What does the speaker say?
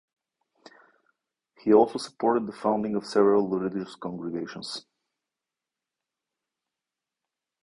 He also supported the founding of several religious congregations.